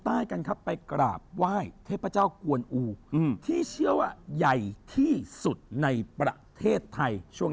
กันครับไปกราบไหว้เทพเจ้ากวนอูที่เชื่อว่าใหญ่ที่สุดในประเทศไทยช่วง